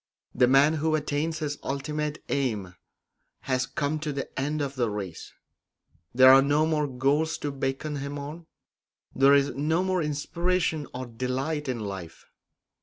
The man who attains his ultimate aim has come to the end of the race; there are no more goals to beckon him on; there is no more inspiration or delight in life.